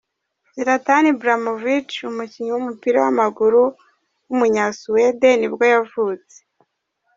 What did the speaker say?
Zlatan Ibramović, umukinnyi w’umupira w’amaguru w’umunyasuwede nibwo yavutse.